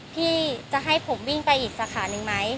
พี่จะให้ผมวิ่งไปอีกสาขาหนึ่งไหม